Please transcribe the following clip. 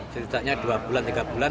ceritanya dua bulan tiga bulan